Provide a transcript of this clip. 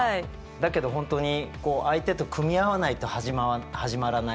だけど本当に相手と組み合わないと始まらない